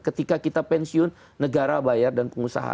ketika kita pensiun negara bayar dan pengusaha